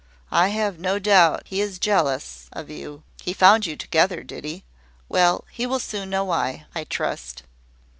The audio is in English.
I have no doubt he is jealous of you. He found you together, did he? Well, he will soon know why, I trust.